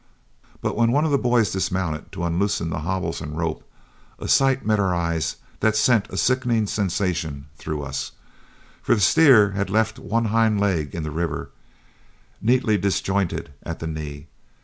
But when one of the boys dismounted to unloose the hobbles and rope, a sight met our eyes that sent a sickening sensation through us, for the steer had left one hind leg in the river, neatly disjointed at the knee.